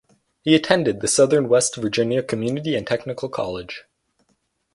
He attended the Southern West Virginia Community and Technical College.